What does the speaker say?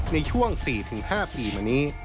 ในช่วง๔๕ปีมานี้